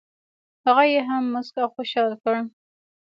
هغه یې هم مسک او خوشال کړ.